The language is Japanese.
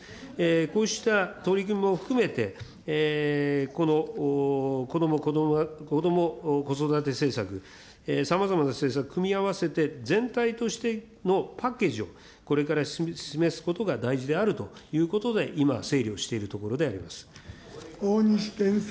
こうした取り組みも含めて、このこども・子育て政策、さまざまな政策、組み合わせて全体としてのパッケージを、これから示すことが大事であるということで、今、整理をしている大西健介君。